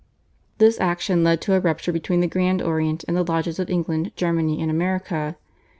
This action led to a rupture between the Grand Orient and the lodges of England, Germany, and America.